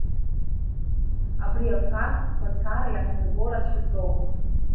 Абри афакт мацара иаҳнарбо рацәаӡоуп.